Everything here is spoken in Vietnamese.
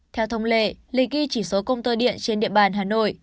theo thông lệ lịch ghi chỉ số công tơ điện trên địa bàn hà nội